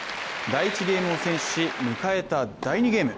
第１ゲームを先取し、迎えた第２ゲーム。